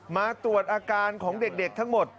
มาตรวจอาการของเด็กทั้งหมด